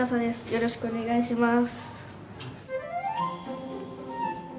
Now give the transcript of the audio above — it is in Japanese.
よろしくお願いします。